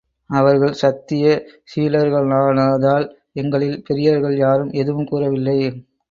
அவர்கள் சத்திய சீலர்களானதால், எங்களில் பெரியவர்கள் யாரும் எதுவும் கூறவில்லை.